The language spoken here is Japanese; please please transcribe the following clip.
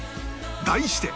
題して